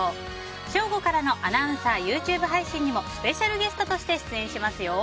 正午からのアナウンサーＹｏｕＴｕｂｅ配信にもスペシャルゲストとして出演しますよ！